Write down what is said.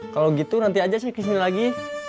kalau gitu nanti aja saya kismily lagi